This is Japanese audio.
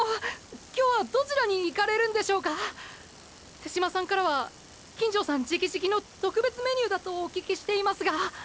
手嶋さんからは金城さん直々の特別メニューだとお聞きしていますが。